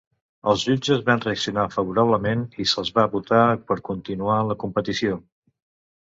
Els jutges van reaccionar favorablement i se'ls va votar per continuar en la competició.